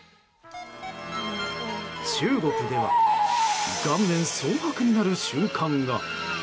中国では顔面蒼白になる瞬間が。